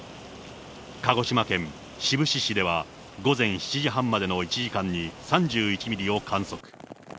鹿児島県志布志市では、午前７時半までの１時間に３１ミリを観測。